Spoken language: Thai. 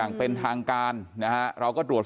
ก็คือเป็นการสร้างภูมิต้านทานหมู่ทั่วโลกด้วยค่ะ